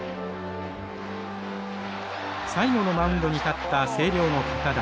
最後のマウンドに立った星稜の堅田。